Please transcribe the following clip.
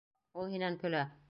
Ул һинән көлә.